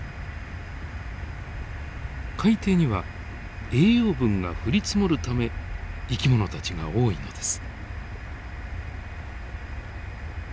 海底には栄養分が降り積もるため生き物たちが多いのです。